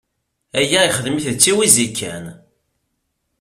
Aya ixdem-it d tiwizi kan.